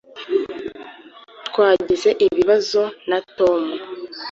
Twagize ibibazo na Tom.